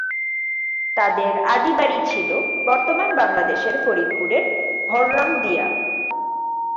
তাদের আদি বাড়ি ছিল বর্তমান বাংলাদেশের ফরিদপুরের ভড়রামদিয়া।